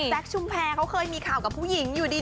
ชุมแพรเขาเคยมีข่าวกับผู้หญิงอยู่ดี